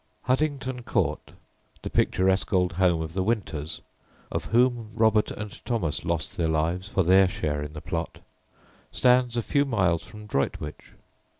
] Huddington Court, the picturesque old home of the Winters (of whom Robert and Thomas lost their lives for their share in the Plot), stands a few miles from Droitwich.